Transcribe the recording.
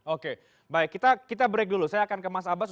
oke baik kita break dulu saya akan ke mas abbas